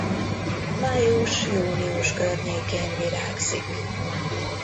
Május-június környékén virágzik.